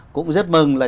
cũng rất mừng là